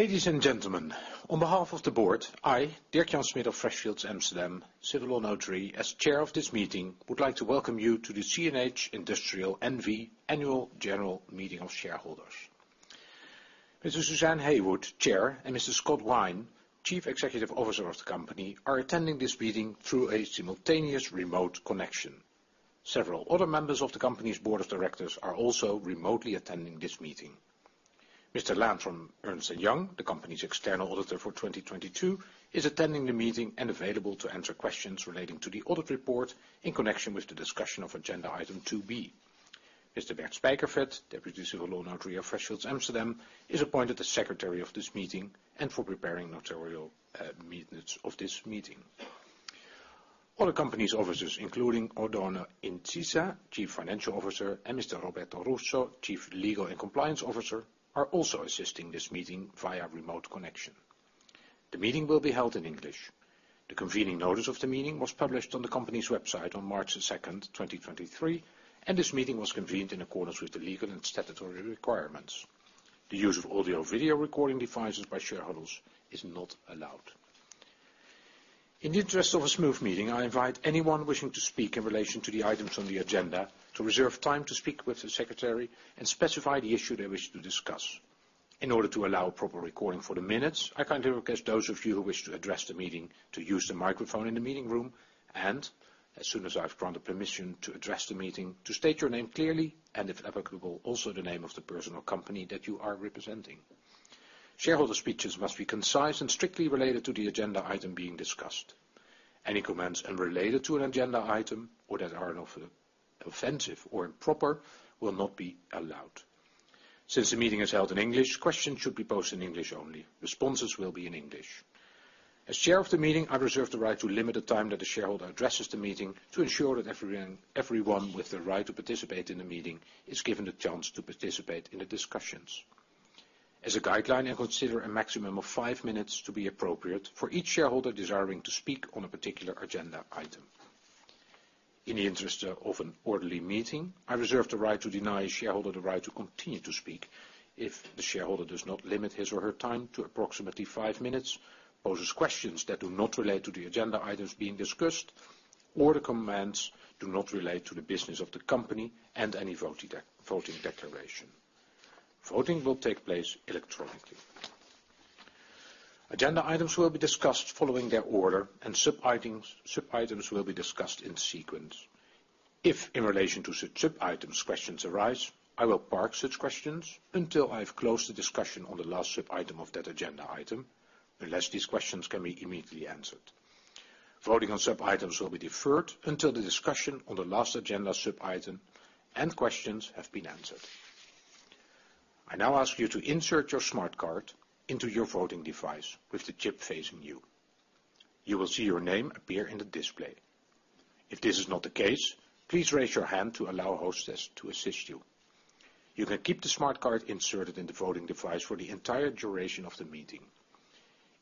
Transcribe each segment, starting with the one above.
Ladies and gentlemen, on behalf of the board, I, Dirk-Jan Smit of Freshfields Amsterdam, civil law notary, as Chair of this meeting, would like to welcome you to the CNH Industrial N.V. Annual General Meeting of Shareholders. Suzanne Heywood, Chair, and Mr. Scott Wine, Chief Executive Officer of the company, are attending this meeting through a simultaneous remote connection. Several other members of the company's Board of Directors are also remotely attending this meeting. Mr. Laan from Ernst & Young, the company's external auditor for 2022, is attending the meeting and available to answer questions relating to the audit report in connection with the discussion of agenda item twoB. Mr. Bert Spijkervet, Deputy Civil Law Notary of Freshfields Amsterdam, is appointed the Secretary of this meeting and for preparing notarial minutes of this meeting. Other company's officers, including Oddone Incisa, Chief Financial Officer, and Mr. Roberto Russo, Chief Legal and Compliance Officer, are also assisting this meeting via remote connection. The meeting will be held in English. The convening notice of the meeting was published on the company's website on March the second, 2023, and this meeting was convened in accordance with the legal and statutory requirements. The use of audio-video recording devices by shareholders is not allowed. In the interest of a smooth meeting, I invite anyone wishing to speak in relation to the items on the agenda to reserve time to speak with the secretary and specify the issue they wish to discuss. In order to allow proper recording for the minutes, I kindly request those of you who wish to address the meeting to use the microphone in the meeting room, and as soon as I've granted permission to address the meeting, to state your name clearly, and if applicable, also the name of the person or company that you are representing. Shareholder speeches must be concise and strictly related to the agenda item being discussed. Any comments unrelated to an agenda item or that are offensive or improper will not be allowed. Since the meeting is held in English, questions should be posed in English only. Responses will be in English. As Chair of the meeting, I reserve the right to limit the time that a shareholder addresses the meeting to ensure that everyone with the right to participate in the meeting is given the chance to participate in the discussions. As a guideline, I consider a maximum of five minutes to be appropriate for each shareholder desiring to speak on a particular agenda item. In the interest of an orderly meeting, I reserve the right to deny a shareholder the right to continue to speak if the shareholder does not limit his or her time to approximately five minutes, poses questions that do not relate to the agenda items being discussed, or the comments do not relate to the business of the company and any voting declaration. Voting will take place electronically. Agenda items will be discussed following their order, and sub-items will be discussed in sequence. If in relation to sub-sub-items, questions arise, I will park such questions until I have closed the discussion on the last sub-item of that agenda item, unless these questions can be immediately answered. Voting on sub-items will be deferred until the discussion on the last agenda sub-item and questions have been answered. I now ask you to insert your smart card into your voting device with the chip facing you. You will see your name appear in the display. If this is not the case, please raise your hand to allow a hostess to assist you. You can keep the smart card inserted in the voting device for the entire duration of the meeting.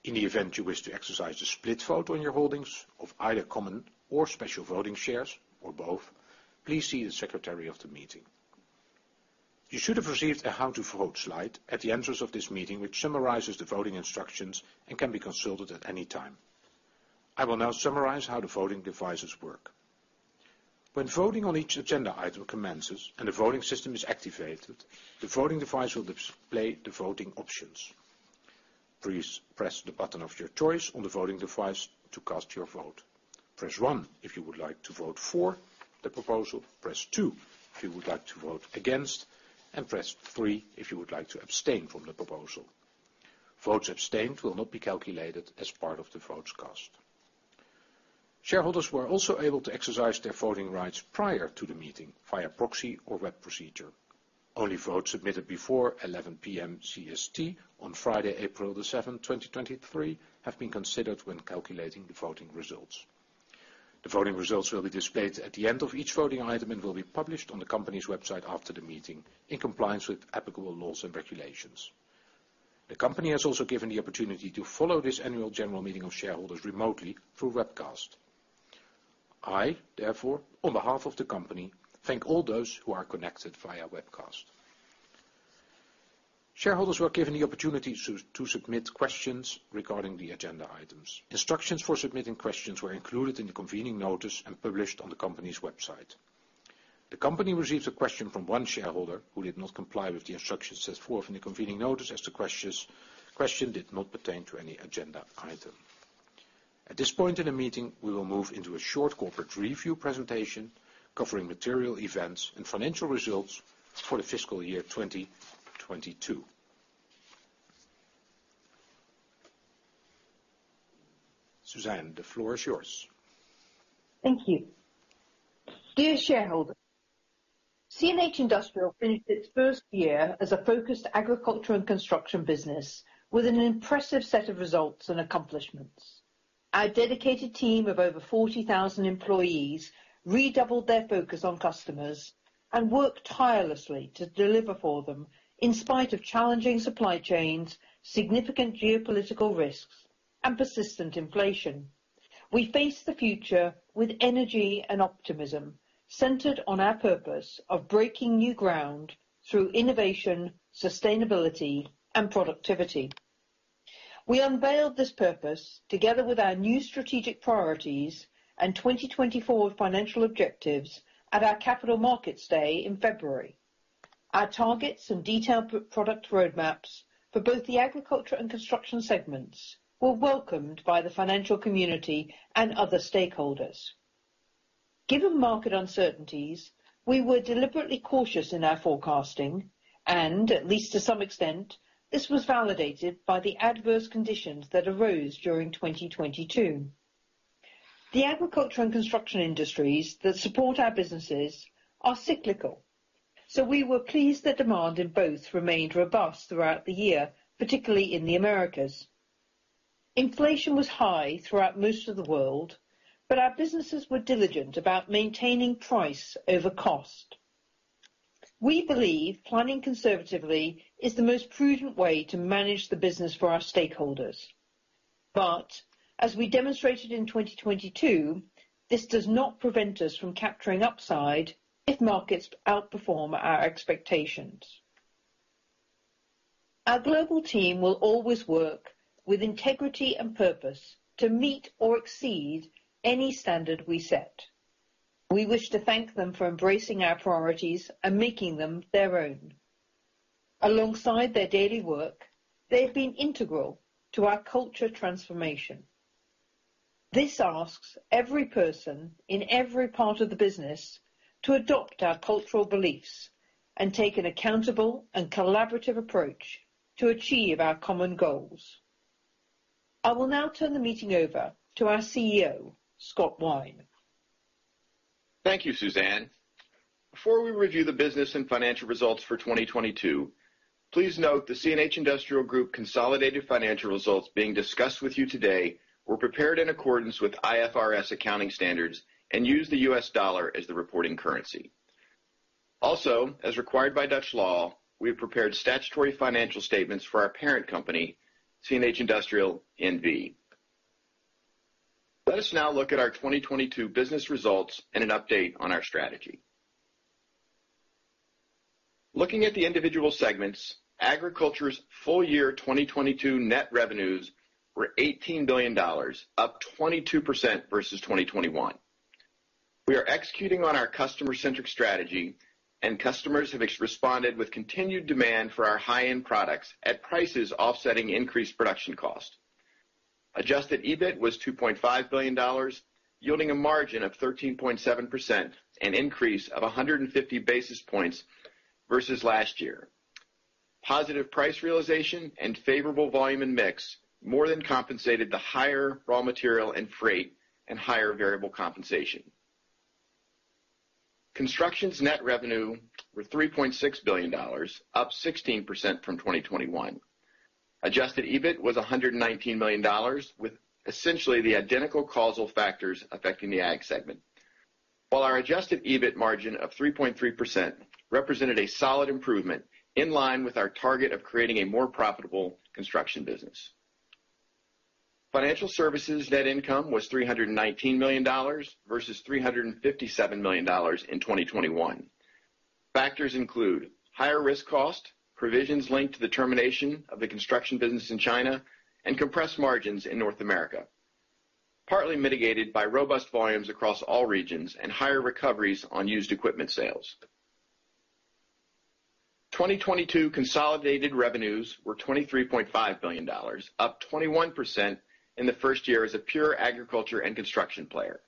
In the event you wish to exercise a split vote on your holdings of either common or special voting shares or both, please see the Secretary of the meeting. You should have received a how to vote slide at the entrance of this meeting, which summarizes the voting instructions and can be consulted at any time. I will now summarize how the voting devices work. When voting on each agenda item commences and a voting system is activated, the voting device will display the voting options. Please press the button of your choice on the voting device to cast your vote. Press one if you would like to vote for the proposal, press 2 if you would like to vote against, and press three if you would like to abstain from the proposal. Votes abstained will not be calculated as part of the votes cast. Shareholders were also able to exercise their voting rights prior to the meeting via proxy or web procedure. Only votes submitted before 11:00 P.M. CST on Friday, April the seventh, 2023, have been considered when calculating the voting results. The voting results will be displayed at the end of each voting item and will be published on the company's website after the meeting in compliance with applicable laws and regulations. The company has also given the opportunity to follow this annual general meeting of shareholders remotely through webcast. I, therefore, on behalf of the company, thank all those who are connected via webcast. Shareholders were given the opportunity to submit questions regarding the agenda items. Instructions for submitting questions were included in the convening notice and published on the company's website. The company received a question from one shareholder who did not comply with the instructions set forth in the convening notice as the question did not pertain to any agenda item. At this point in the meeting, we will move into a short corporate review presentation covering material events and financial results for the fiscal year 2022. Suzanne, the floor is yours. Thank you. Dear shareholders, CNH Industrial finished its first year as a focused agriculture and construction business with an impressive set of results and accomplishments. Our dedicated team of over 40,000 employees redoubled their focus on customers and worked tirelessly to deliver for them in spite of challenging supply chains, significant geopolitical risks, and persistent inflation. We face the future with energy and optimism centered on our purpose of breaking new ground through innovation, sustainability, and productivity. We unveiled this purpose together with our new strategic priorities and 2024 financial objectives at our capital markets day in February. Our targets and detailed product roadmaps for both the agriculture and construction segments were welcomed by the financial community and other stakeholders. Given market uncertainties, we were deliberately cautious in our forecasting, and at least to some extent, this was validated by the adverse conditions that arose during 2022. The agriculture and construction industries that support our businesses are cyclical. We were pleased that demand in both remained robust throughout the year, particularly in the Americas. Inflation was high throughout most of the world. Our businesses were diligent about maintaining price over cost. We believe planning conservatively is the most prudent way to manage the business for our stakeholders. As we demonstrated in 2022, this does not prevent us from capturing upside if markets outperform our expectations. Our global team will always work with integrity and purpose to meet or exceed any standard we set. We wish to thank them for embracing our priorities and making them their own. Alongside their daily work, they've been integral to our culture transformation. This asks every person in every part of the business to adopt our cultural beliefs and take an accountable and collaborative approach to achieve our common goals. I will now turn the meeting over to our CEO, Scott Wine. Thank you, Suzanne. Before we review the business and financial results for 2022, please note the CNH Industrial Group consolidated financial results being discussed with you today were prepared in accordance with IFRS accounting standards and use the US dollar as the reporting currency. Also, as required by Dutch law, we have prepared statutory financial statements for our parent company, CNH Industrial N.V. Let us now look at our 2022 business results and an update on our strategy. Looking at the individual segments, Agriculture's full year 2022 net revenues were $18 billion, up 22% versus 2021. We are executing on our customer-centric strategy, customers have responded with continued demand for our high-end products at prices offsetting increased production cost. Adjusted EBIT was $2.5 billion, yielding a margin of 13.7%, an increase of 150 basis points versus last year. Positive price realization and favorable volume and mix more than compensated the higher raw material and freight and higher variable compensation. Construction's net revenue were $3.6 billion, up 16% from 2021. Adjusted EBIT was $119 million, with essentially the identical causal factors affecting the ag segment. Our Adjusted EBIT margin of 3.3% represented a solid improvement in line with our target of creating a more profitable Construction business. Financial services net income was $319 million versus $357 million in 2021. Factors include higher risk cost, provisions linked to the termination of the construction business in China, and compressed margins in North America, partly mitigated by robust volumes across all regions and higher recoveries on used equipment sales. 2022 consolidated revenues were $23.5 billion, up 21% in the first year as a pure agriculture and construction player.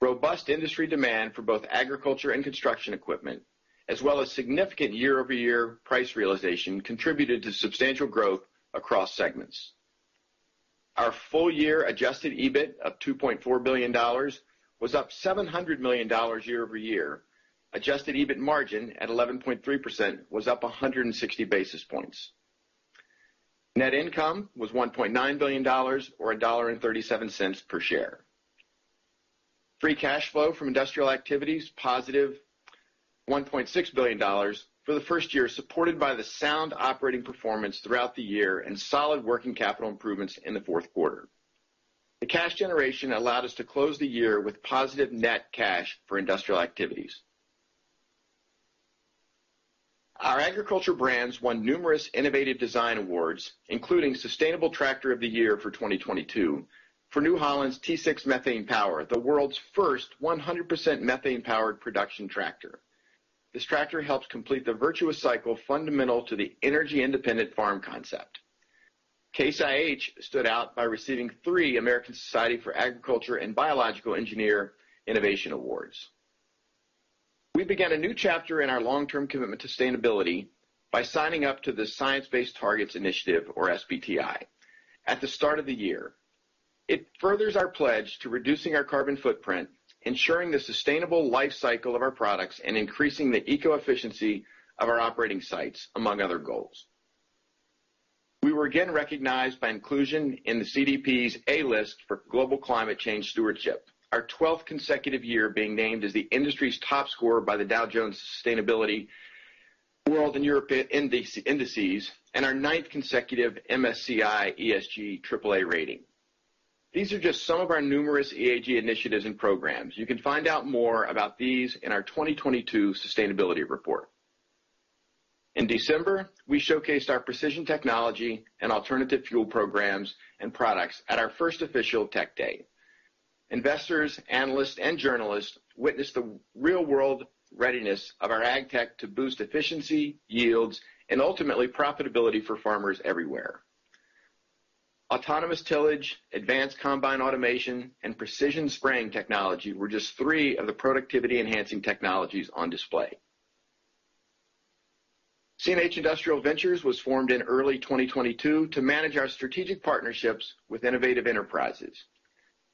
Robust industry demand for both agriculture and construction equipment, as well as significant quarter-over-quarter price realization contributed to substantial growth across segments. Our full year Adjusted EBIT of $2.4 billion was up $700 million quarter-over-quarter. Adjusted EBIT margin at 11.3% was up 160 basis points. Net income was $1.9 billion or $1.37 per share. Free cash flow from industrial activities, positive $1.6 billion for the first year, supported by the sound operating performance throughout the year and solid working capital improvements in the Q4. The cash generation allowed us to close the year with positive net cash for industrial activities. Our agriculture brands won numerous innovative design awards, including Sustainable Tractor of the Year for 2022 for New Holland's T6 Methane Power, the world's first 100% methane-powered production tractor. This tractor helps complete the virtuous cycle fundamental to the energy-independent farm concept. Case IH stood out by receiving three American Society of Agricultural and Biological Engineers Innovation Awards. We began a new chapter in our long-term commitment to sustainability by signing up to the Science Based Targets initiative, or SBTi, at the start of the year. It furthers our pledge to reducing our carbon footprint, ensuring the sustainable life cycle of our products, and increasing the eco-efficiency of our operating sites, among other goals. We were again recognized by inclusion in the CDP's A List for Global Climate Change Stewardship, our 12th consecutive year being named as the industry's top scorer by the Dow Jones Sustainability World and European Indices, and our 9th consecutive MSCI ESG AAA rating. These are just some of our numerous ESG initiatives and programs. You can find out more about these in our 2022 sustainability report. In December, we showcased our precision technology and alternative fuel programs and products at our first official tech day. Investors, analysts, and journalists witnessed the real world readiness of our ag tech to boost efficiency, yields, and ultimately profitability for farmers everywhere. Autonomous tillage, advanced combine automation, and precision spraying technology were just three of the productivity-enhancing technologies on display. CNH Industrial Ventures was formed in early 2022 to manage our strategic partnerships with innovative enterprises.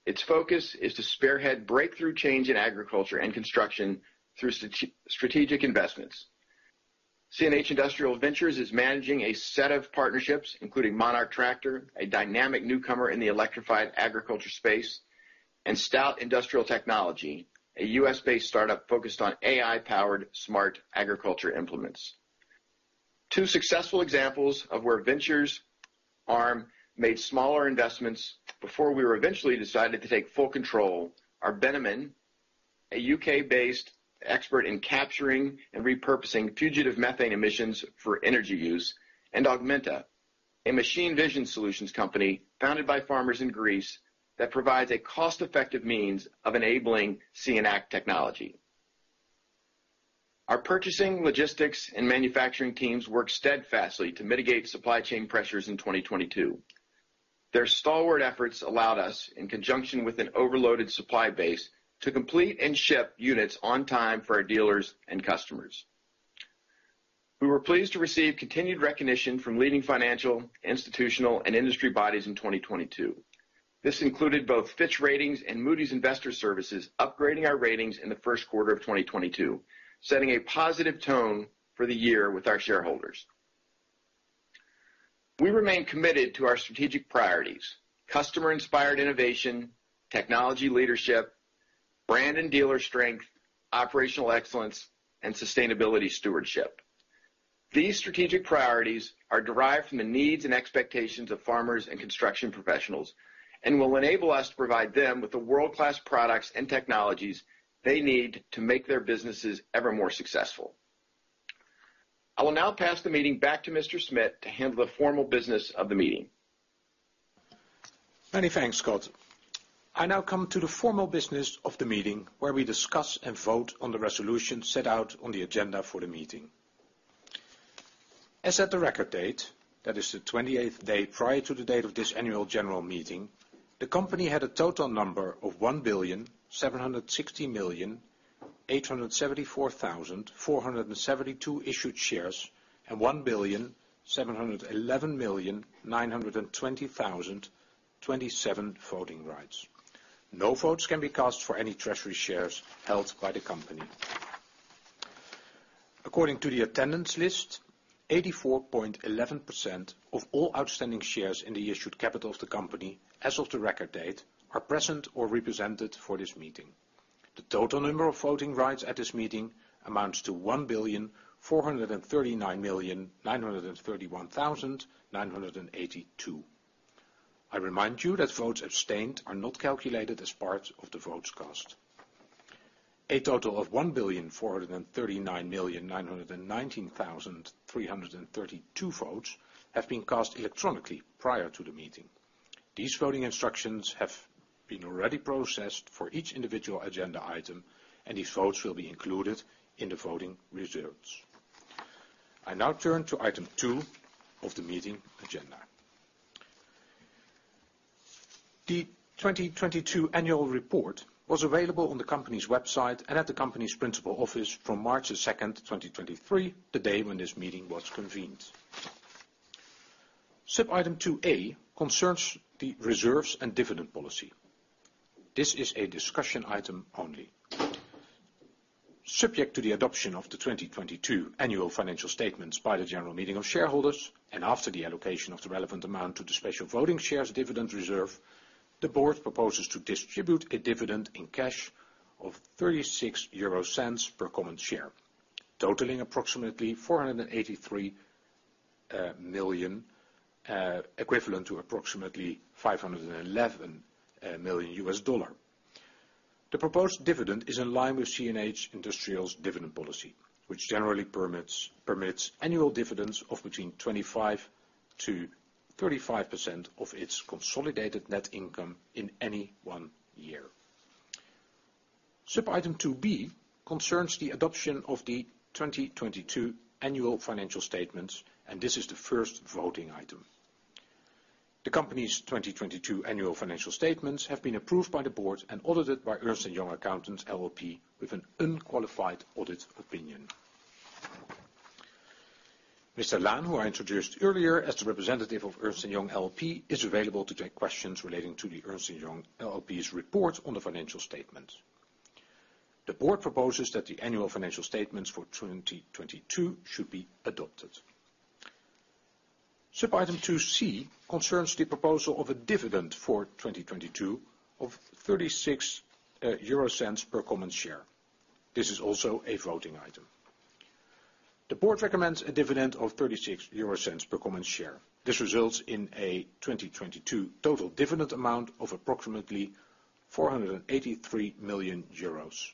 Its focus is to spearhead breakthrough change in agriculture and construction through strategic investments. CNH Industrial Ventures is managing a set of partnerships, including Monarch Tractor, a dynamic newcomer in the electrified agriculture space, and Stout Industrial Technology, a US-based startup focused on AI-powered smart agriculture implements. Two successful examples of where Ventures arm made smaller investments before we were eventually decided to take full control are Bennamann, a UK-based expert in capturing and repurposing fugitive methane emissions for energy use, and Augmenta, a machine vision solutions company founded by farmers in Greece that provides a cost-effective means of enabling Sense & Act technology. Our purchasing, logistics, and manufacturing teams work steadfastly to mitigate supply chain pressures in 2022. Their stalwart efforts allowed us, in conjunction with an overloaded supply base, to complete and ship units on time for our dealers and customers. We were pleased to receive continued recognition from leading financial, institutional, and industry bodies in 2022. This included both Fitch Ratings and Moody's Investors Service upgrading our ratings in the Q1 of 2022, setting a positive tone for the year with our shareholders. We remain committed to our strategic priorities, customer-inspired innovation, technology leadership, brand and dealer strength, operational excellence, and sustainability stewardship. These strategic priorities are derived from the needs and expectations of farmers and construction professionals, and will enable us to provide them with the world-class products and technologies they need to make their businesses ever more successful. I will now pass the meeting back to Mr. Smit to handle the formal business of the meeting. Many thanks, Scott. I now come to the formal business of the meeting, where we discuss and vote on the resolution set out on the agenda for the meeting. As at the record date, that is the 28th day prior to the date of this annual general meeting, the company had a total number of 1,760,874,472 issued shares, and 1,711,920,027 voting rights. No votes can be cast for any treasury shares held by the company. According to the attendance list, 84.11% of all outstanding shares in the issued capital of the company, as of the record date, are present or represented for this meeting. The total number of voting rights at this meeting amounts to 1,439,931,982. I remind you that votes abstained are not calculated as part of the votes cast. A total of 1,439,919,332 votes have been cast electronically prior to the meeting. These voting instructions have been already processed for each individual agenda item, and these votes will be included in the voting results. I now turn to item 2 of the meeting agenda. The 2022 annual report was available on the company's website and at the company's principal office from March 2, 2023, the day when this meeting was convened. Sub-item 2-A concerns the reserves and dividend policy. This is a discussion item only. Subject to the adoption of the 2022 annual financial statements by the general meeting of shareholders, and after the allocation of the relevant amount to the special voting shares dividend reserve, the board proposes to distribute a dividend in cash of 0.36 per common share, totaling approximately 483 million, equivalent to approximately $511 million. The proposed dividend is in line with CNH Industrial's dividend policy, which generally permits annual dividends of between 25%-35% of its consolidated net income in any one year. Sub-item 2-B concerns the adoption of the 2022 annual financial statements, and this is the first voting item. The company's 2022 annual financial statements have been approved by the board and audited by Ernst & Young Accountants LLP with an unqualified audit opinion. Mr. Laan, who I introduced earlier as the representative of Ernst & Young LLP, is available to take questions relating to the Ernst & Young LLP's report on the financial statement. The board proposes that the annual financial statements for 2022 should be adopted. Sub item twoC concerns the proposal of a dividend for 2022 of 0.36 per common share. This is also a voting item. The board recommends a dividend of 0.36 per common share. This results in a 2022 total dividend amount of approximately 483 million euros.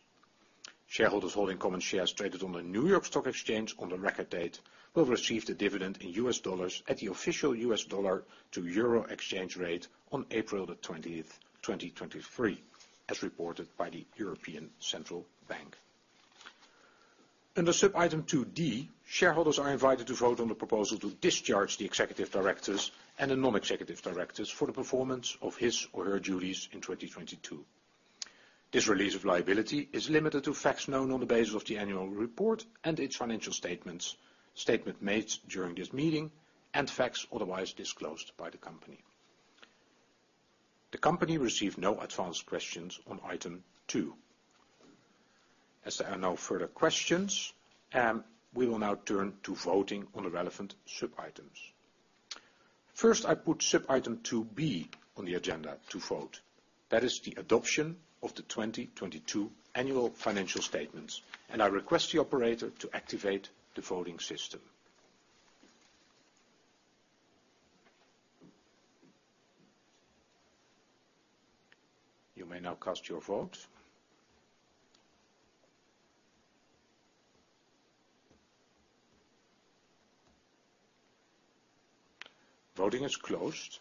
Shareholders holding common shares traded on the New York Stock Exchange on the record date will receive the dividend in US dollars at the official US dollar to euro exchange rate on April the twentieth, 2023, as reported by the European Central Bank. Under sub item two D, shareholders are invited to vote on the proposal to discharge the Executive Directors and the Non-Executive Directors for the performance of his or her duties in 2022. This release of liability is limited to facts known on the basis of the Annual Report and its Financial Statements, statement made during this meeting, and facts otherwise disclosed by the company. The company received no advance questions on item two. There are no further questions, we will now turn to voting on the relevant sub-items. First, I put sub item two B on the agenda to vote. That is the adoption of the 2022 annual Financial Statements, and I request the operator to activate the voting system. You may now cast your vote. Voting is closed.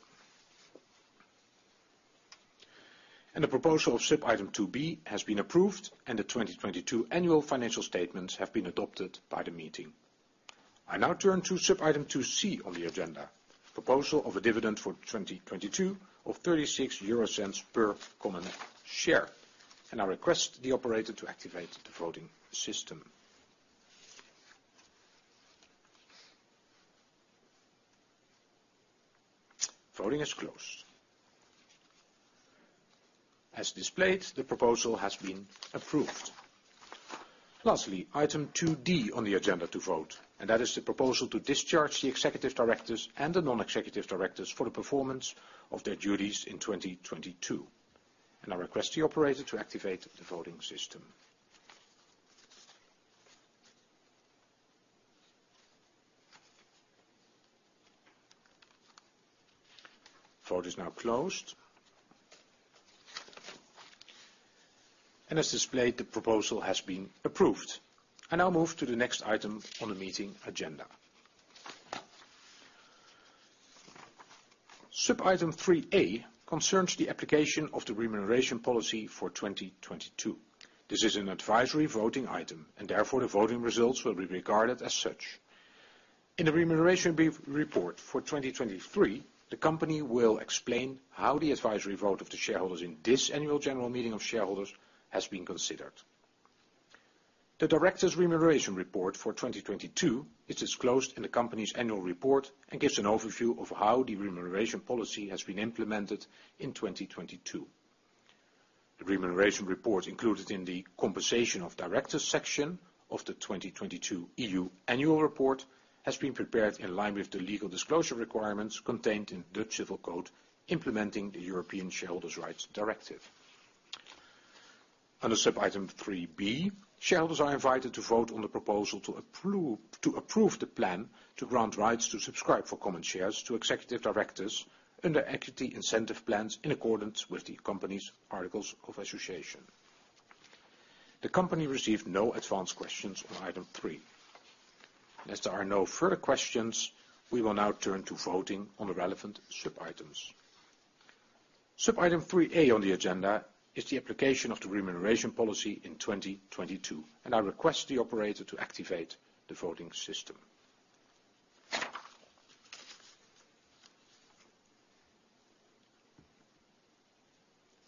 The proposal of sub item twoB has been approved, and the 2022 annual financial statements have been adopted by the meeting. I now turn to sub item twoC on the agenda, proposal of a dividend for 2022 of 0.36 per common share, and I request the operator to activate the voting system. Voting is closed. As displayed, the proposal has been approved. Lastly, item 2D on the agenda to vote, and that is the proposal to discharge the executive directors and the non-executive directors for the performance of their duties in 2022. I request the operator to activate the voting system. Vote is now closed. As displayed, the proposal has been approved. I now move to the next item on the meeting agenda. Sub item 3A concerns the application of the remuneration policy for 2022. This is an advisory voting item, therefore, the voting results will be regarded as such. In the remuneration report for 2023, the company will explain how the advisory vote of the shareholders in this annual general meeting of shareholders has been considered. The directors' remuneration report for 2022 is disclosed in the company's annual report and gives an overview of how the remuneration policy has been implemented in 2022. The remuneration report included in the compensation of directors section of the 2022 EU annual report has been prepared in line with the legal disclosure requirements contained in the civil code, implementing the European Shareholders' Rights Directive. Under sub-item 3 B, shareholders are invited to vote on the proposal to approve the plan to grant rights to subscribe for common shares to executive directors under equity incentive plans in accordance with the company's articles of association. The company received no advance questions on item 3. As there are no further questions, we will now turn to voting on the relevant sub-items. Sub item 3 A on the agenda is the application of the remuneration policy in 2022, I request the operator to activate the voting system.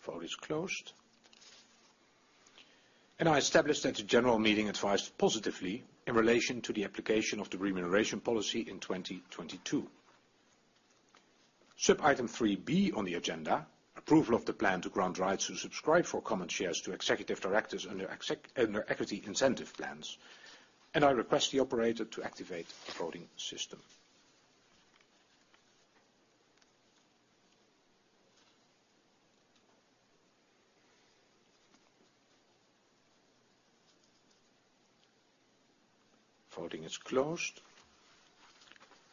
Vote is closed. I establish that the general meeting advised positively in relation to the application of the remuneration policy in 2022. Sub item 3 B on the agenda, approval of the plan to grant rights to subscribe for common shares to executive directors under equity incentive plans. I request the operator to activate the voting system. Voting is closed.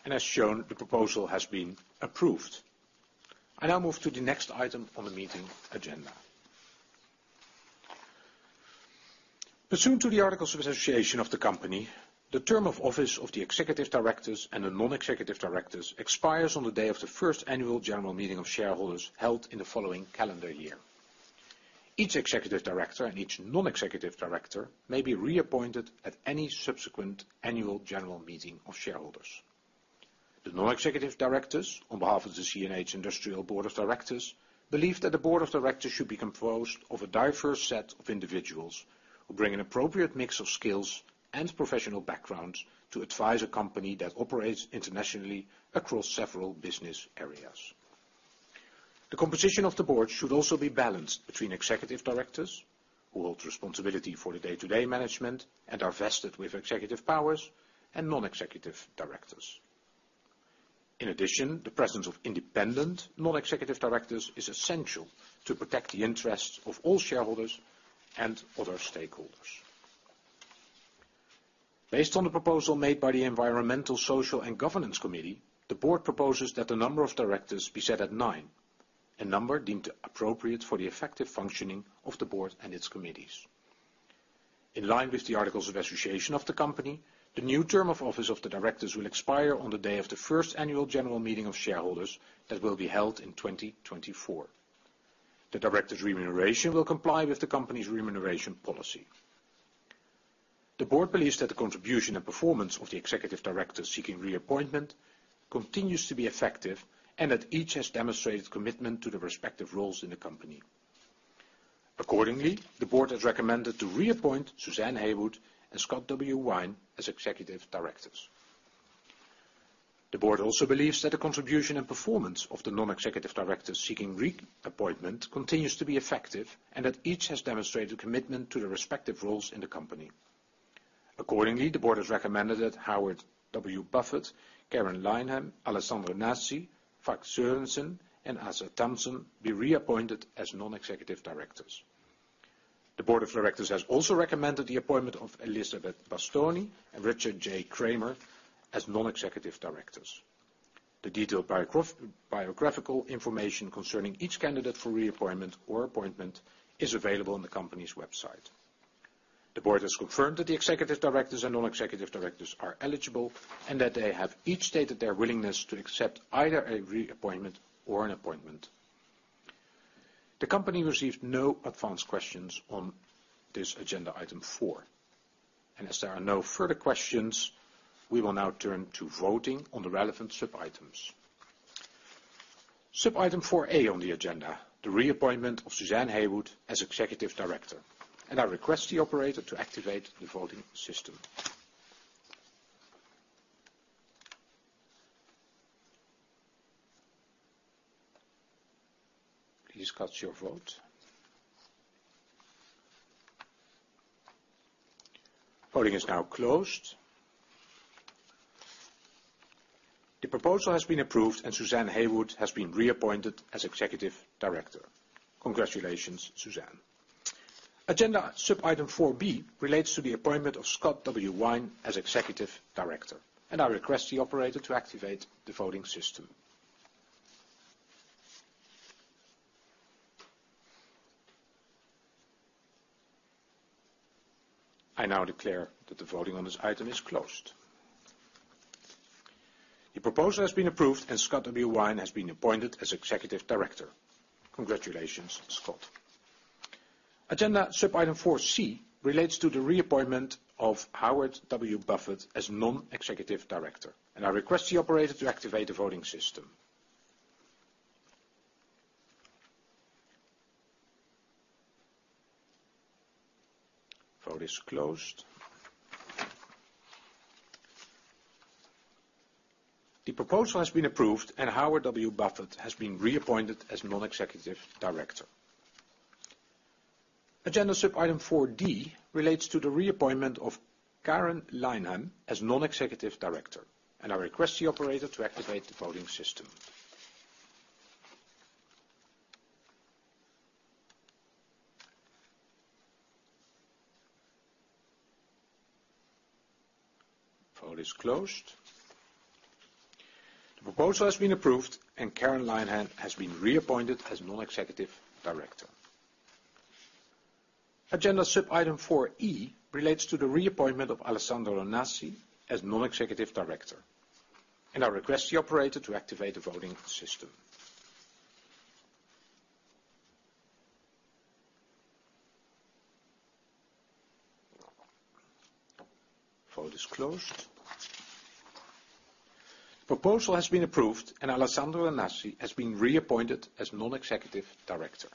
As shown, the proposal has been approved. I now move to the next item on the meeting agenda. Pursuant to the articles of association of the company, the term of office of the executive directors and the non-executive directors expires on the day of the first annual general meeting of shareholders held in the following calendar year. Each executive director and each non-executive director may be reappointed at any subsequent annual general meeting of shareholders. The non-executive directors, on behalf of the CNH Industrial Board of Directors, believe that the board of directors should be composed of a diverse set of individuals who bring an appropriate mix of skills and professional backgrounds to advise a company that operates internationally across several business areas. The composition of the board should also be balanced between executive directors, who hold responsibility for the day-to-day management and are vested with executive powers, and non-executive directors. In addition, the presence of independent non-executive directors is essential to protect the interests of all shareholders and other stakeholders. Based on the proposal made by the Environmental, Social, and Governance Committee, the board proposes that the number of directors be set at nine, a number deemed appropriate for the effective functioning of the board and its committees. In line with the articles of association of the company, the new term of office of the directors will expire on the day of the first annual general meeting of shareholders that will be held in 2024. The directors' remuneration will comply with the company's remuneration policy. The board believes that the contribution and performance of the executive directors seeking reappointment continues to be effective, and that each has demonstrated commitment to their respective roles in the company. Accordingly, the board has recommended to reappoint Suzanne Heywood and Scott W. Wine as executive directors. The board also believes that the contribution and performance of the non-executive directors seeking reappointment continues to be effective, and that each has demonstrated commitment to their respective roles in the company. Accordingly, the board has recommended that Howard W. Buffett, Karen Linehan, Alessandro Nasi, Vagn Sørensen, and Åsa Tamsons be reappointed as non-executive directors. The board of directors has also recommended the appointment of Elizabeth Bastoni and Richard J. Kramer as non-executive directors. The detailed biographical information concerning each candidate for reappointment or appointment is available on the company's website. The board has confirmed that the executive directors and non-executive directors are eligible, and that they have each stated their willingness to accept either a reappointment or an appointment. The company received no advance questions on this agenda item 4. As there are no further questions, we will now turn to voting on the relevant sub-items. Sub-item 4 A on the agenda, the reappointment of Suzanne Heywood as executive director. I request the operator to activate the voting system. Please cast your vote. Voting is now closed. The proposal has been approved, and Suzanne Heywood has been reappointed as executive director. Congratulations, Suzanne. Agenda sub-item four B relates to the appointment of Scott W. Wine as Executive Director. I request the operator to activate the voting system. I now declare that the voting on this item is closed. The proposal has been approved, and Scott W. Wine has been appointed as Executive Director. Congratulations, Scott. Agenda sub-item four C relates to the reappointment of Howard W. Buffett as Non-Executive Director. I request the operator to activate the voting system. Vote is closed. The proposal has been approved, and Howard W. Buffett has been reappointed as Non-Executive Director. Agenda sub-item four D relates to the reappointment of Karen Linehan as Non-Executive Director. I request the operator to activate the voting system. Vote is closed. The proposal has been approved, and Karen Linehan has been reappointed as Non-Executive Director. Agenda sub-item 4E relates to the reappointment of Alessandro Nasi as non-executive director. I request the operator to activate the voting system. Vote is closed. Proposal has been approved, and Alessandro Nasi has been reappointed as non-executive director.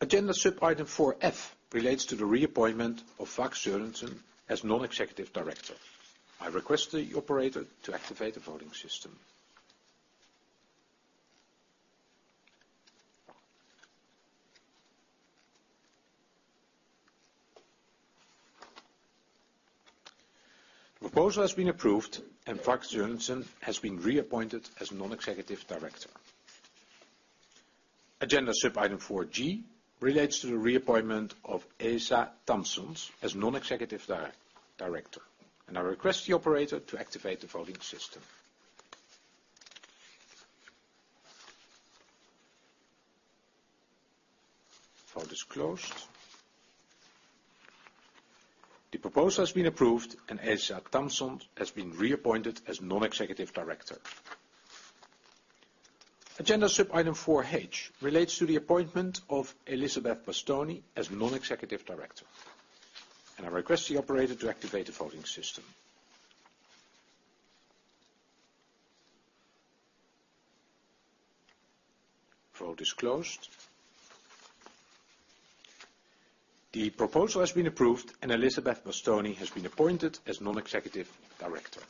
Agenda sub-item 4F relates to the reappointment of Vagn Sørensen as non-executive director. I request the operator to activate the voting system. The proposal has been approved, and Vagn Sørensen has been reappointed as non-executive director. Agenda sub-item 4G relates to the reappointment of Åsa Tamsons as non-executive director. I request the operator to activate the voting system. Vote is closed. The proposal has been approved, and Åsa Tamsons has been reappointed as non-executive director. Agenda sub-item 4H relates to the appointment of Elizabeth Bastoni as non-executive director. I request the operator to activate the voting system. Vote is closed. The proposal has been approved, and Elizabeth Bastoni has been appointed as non-executive director.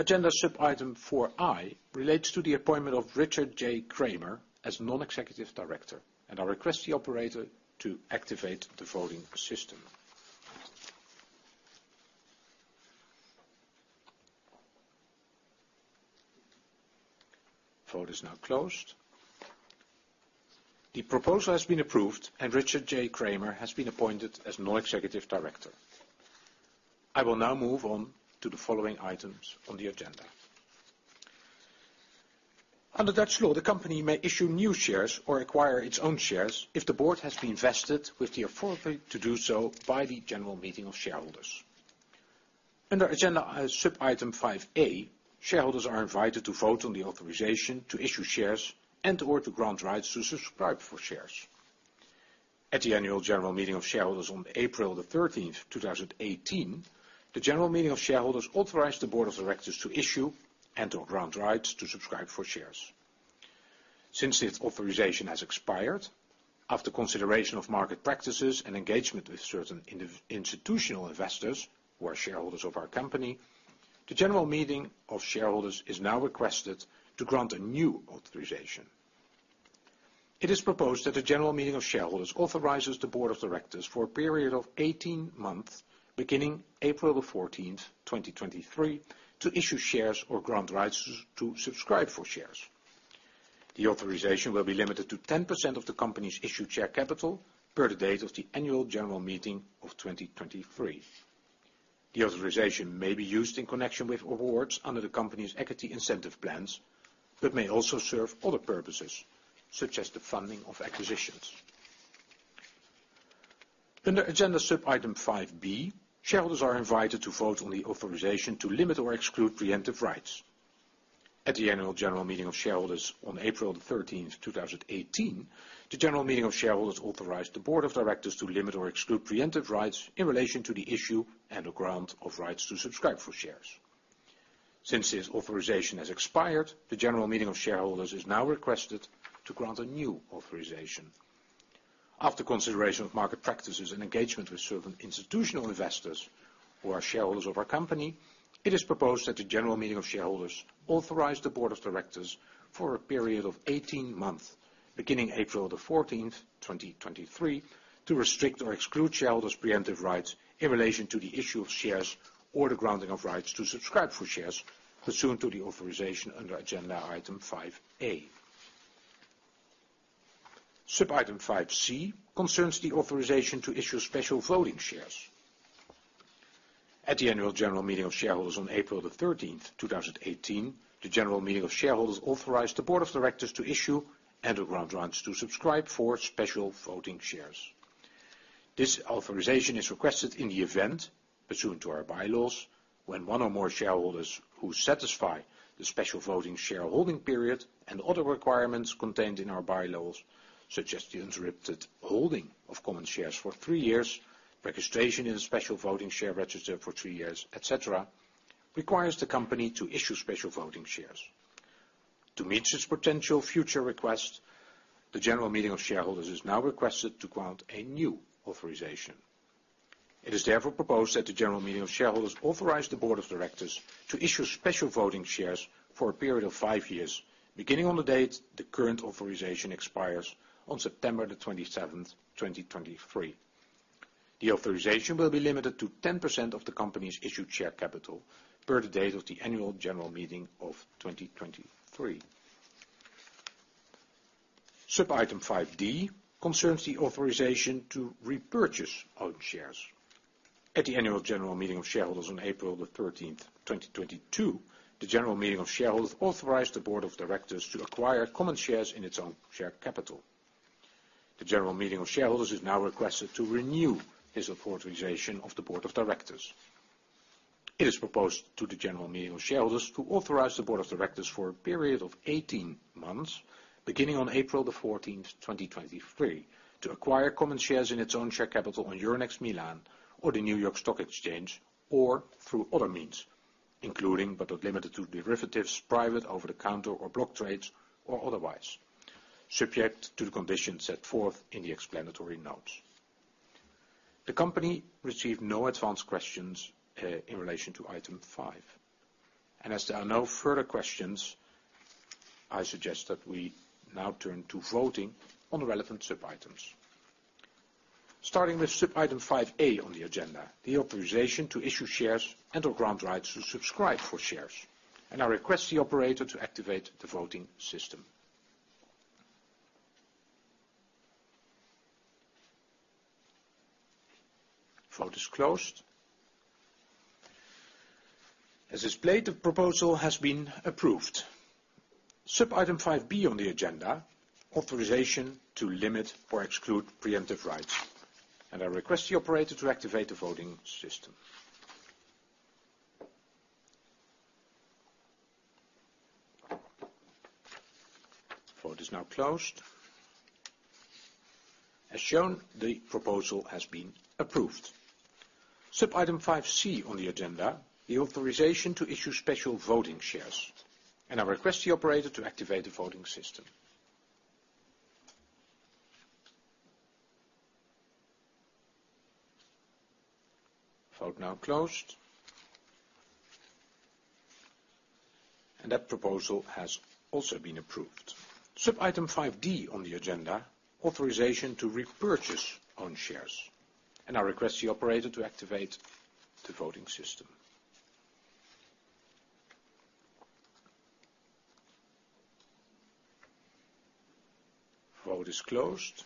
Agenda sub-item 4 I relates to the appointment of Richard J. Kramer as non-executive director. I request the operator to activate the voting system. Vote is now closed. The proposal has been approved, and Richard J. Kramer has been appointed as non-executive director. I will now move on to the following items on the agenda. Under Dutch law, the company may issue new shares or acquire its own shares if the board has been vested with the authority to do so by the general meeting of shareholders. Under agenda sub-item 5 A, shareholders are invited to vote on the authorization to issue shares and or to grant rights to subscribe for shares. At the annual general meeting of shareholders on April 13, 2018, the general meeting of shareholders authorized the board of directors to issue and or grant rights to subscribe for shares. Since its authorization has expired, after consideration of market practices and engagement with certain institutional investors who are shareholders of our company, the general meeting of shareholders is now requested to grant a new authorization. It is proposed that the general meeting of shareholders authorizes the board of directors for a period of 18 months, beginning April 14, 2023, to issue shares or grant rights to subscribe for shares. The authorization will be limited to 10% of the company's issued share capital per the date of the annual general meeting of 2023. The authorization may be used in connection with awards under the company's equity incentive plans, but may also serve other purposes, such as the funding of acquisitions. Under agenda sub-item 5B, shareholders are invited to vote on the authorization to limit or exclude preemptive rights. At the Annual General Meeting of Shareholders on April 13, 2018, the General Meeting of Shareholders authorized the Board of Directors to limit or exclude preemptive rights in relation to the issue and or grant of rights to subscribe for shares. Since this authorization has expired, the General Meeting of Shareholders is now requested to grant a new authorization. After consideration of market practices and engagement with certain institutional investors who are shareholders of our company, it is proposed that the general meeting of shareholders authorize the board of directors for a period of 18 months, beginning April 14, 2023, to restrict or exclude shareholders' preemptive rights in relation to the issue of shares or the granting of rights to subscribe for shares pursuant to the authorization under agenda item 5 A. Sub-item 5 C concerns the authorization to issue special voting shares. At the annual general meeting of shareholders on April 13, 2018, the general meeting of shareholders authorized the board of directors to issue and/or grant rights to subscribe for special voting shares. This authorization is requested in the event, pursuant to our bylaws, when one or more shareholders who satisfy the special voting shareholding period and other requirements contained in our bylaws, such as the interrupted holding of common shares for three years, registration in a special voting share register for three years, et cetera, requires the company to issue special voting shares. To meet this potential future request, the general meeting of shareholders is now requested to grant a new authorization. Therefore, it is proposed that the general meeting of shareholders authorize the board of directors to issue special voting shares for a period of five years, beginning on the date the current authorization expires on September the 27th, 2023. The authorization will be limited to 10% of the company's issued share capital per the date of the annual general meeting of 2023. Sub-item 5 D concerns the authorization to repurchase own shares. At the annual general meeting of shareholders on April the 13th, 2022, the general meeting of shareholders authorized the board of directors to acquire common shares in its own share capital. The general meeting of shareholders is now requested to renew this authorization of the board of directors. It is proposed to the general meeting of shareholders to authorize the board of directors for a period of 18 months, beginning on April the 14th, 2023, to acquire common shares in its own share capital on Euronext Milan or the New York Stock Exchange, or through other means, including but not limited to derivatives, private, over-the-counter or block trades or otherwise, subject to the conditions set forth in the explanatory notes. The company received no advance questions in relation to item 5. As there are no further questions, I suggest that we now turn to voting on the relevant sub-items. Starting with Sub-item 5 A on the agenda, the authorization to issue shares and or grant rights to subscribe for shares. I request the operator to activate the voting system. Vote is closed. As displayed, the proposal has been approved. Sub-item 5 B on the agenda, authorization to limit or exclude preemptive rights. I request the operator to activate the voting system. Vote is now closed. As shown, the proposal has been approved. Sub-item 5 C on the agenda, the authorization to issue special voting shares. I request the operator to activate the voting system. Vote now closed. That proposal has also been approved. Sub-item 5 D on the agenda, authorization to repurchase own shares. I request the operator to activate the voting system. Vote is closed.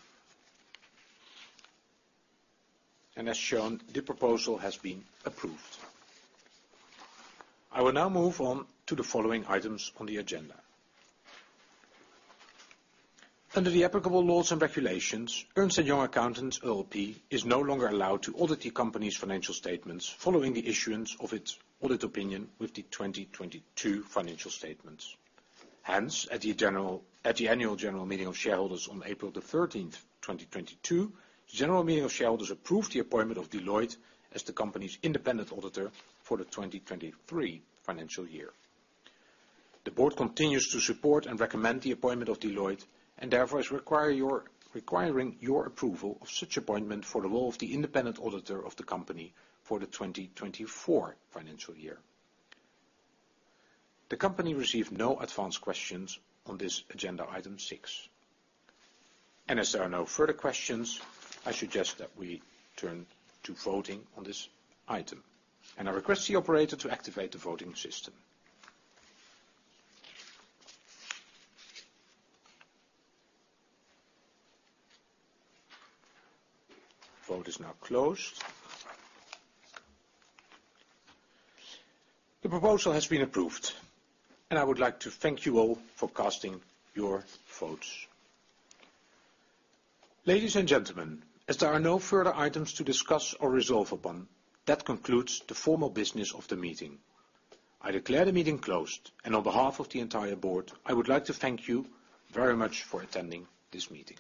As shown, the proposal has been approved. I will now move on to the following items on the agenda. Under the applicable laws and regulations, Ernst & Young Accountants LLP is no longer allowed to audit the company's financial statements following the issuance of its audit opinion with the 2022 financial statements. At the annual general meeting of shareholders on April 13, 2022, the general meeting of shareholders approved the appointment of Deloitte as the company's independent auditor for the 2023 financial year. The board continues to support and recommend the appointment of Deloitte, and therefore, is requiring your approval of such appointment for the role of the independent auditor of the company for the 2024 financial year. The company received no advance questions on this agenda item 6. As there are no further questions, I suggest that we turn to voting on this item. I request the operator to activate the voting system. Vote is now closed. The proposal has been approved, and I would like to thank you all for casting your votes. Ladies and gentlemen, as there are no further items to discuss or resolve upon, that concludes the formal business of the meeting. I declare the meeting closed. On behalf of the entire board, I would like to thank you very much for attending this meeting.